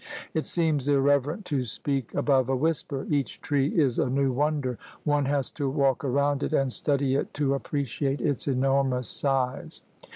It seems irreverent to speak above a whisper. Each tree is a new wonder. One has to walk around it and study it to appreciate its enormous size.